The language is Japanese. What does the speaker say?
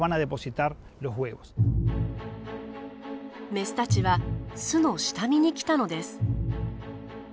メスたちは巣の下見に来たのです。